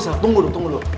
sel tunggu dulu